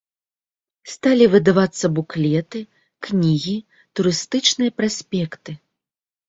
Сталі выдавацца буклеты, кнігі, турыстычныя праспекты.